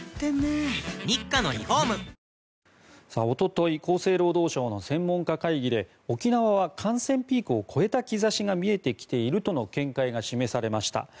おととい厚生労働省の専門家会議で沖縄は感染ピークを越えた兆しが見えてきているとの見解が示されました。